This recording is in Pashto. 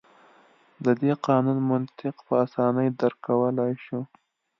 د دې قانون منطق په اسانۍ درک کولای شو.